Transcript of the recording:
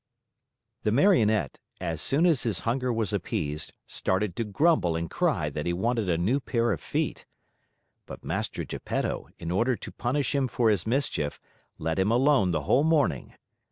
The Marionette, as soon as his hunger was appeased, started to grumble and cry that he wanted a new pair of feet. But Mastro Geppetto, in order to punish him for his mischief, let him alone the whole morning.